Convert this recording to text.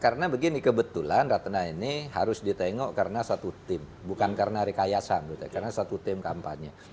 karena begini kebetulan ratna ini harus ditengok karena satu tim bukan karena rekayasan karena satu tim kampanye